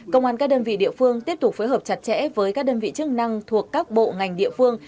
công an các đơn vị địa phương tiếp tục phối hợp chặt chẽ với các đơn vị chức năng thuộc các bộ ngành địa phương